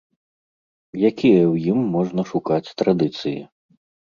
Якія ў ім можна шукаць традыцыі?